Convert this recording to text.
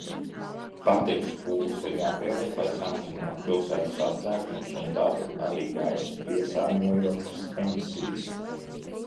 Patiesas pūles ir jāpieliek, lai samazinātu pilsētu sastrēgumus un tātad arī gaisu piesārņojošas emisijas.